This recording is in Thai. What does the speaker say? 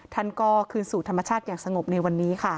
ท่านก็คืนสู่ธรรมชาติอย่างสงบในวันนี้ค่ะ